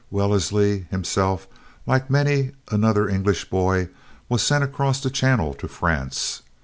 Wellesley himself, like many another English boy, was sent across the channel to France.